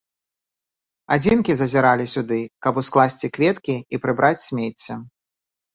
Адзінкі зазіралі сюды, каб ускласці кветкі і прыбраць смецце.